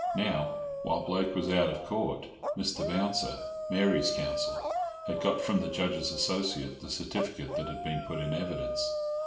Now, while Blake was out of Court, Mr. Bouncer, Mary's counsel, had got from the Judge's Associate the certificate that had been put in evidence.